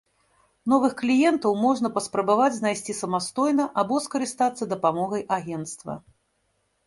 Новых кліентаў можна паспрабаваць знайсці самастойна або скарыстацца дапамогай агенцтва.